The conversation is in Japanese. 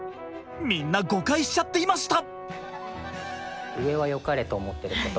みんな誤解しちゃっていました。